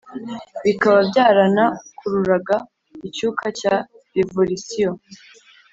bikaba byarana kururaga icyuka cya révolisiyo